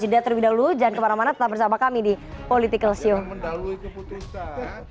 lihat terlebih dahulu jangan kemana mana tetap bersama kami di politik lesiong mendalui keputusan